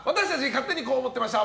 勝手にこう思ってました！